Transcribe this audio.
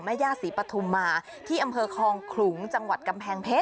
ย่าศรีปฐุมมาที่อำเภอคลองขลุงจังหวัดกำแพงเพชร